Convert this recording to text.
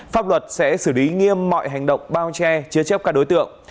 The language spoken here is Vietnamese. pháp luật sẽ xử lý nghiêm mọi hành động bao che chế chấp các đối tượng